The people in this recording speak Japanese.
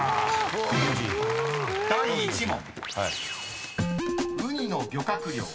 ［第１問］